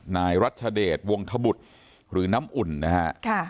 นายรัชเดชวงธบุตรหรือน้ำอุ่นนะฮะ